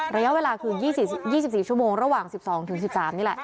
ระยะเวลาคือ๒๔ชั่วโมงระหว่าง๑๒๑๓นี่แหละ